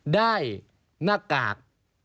ได้หน้ากาก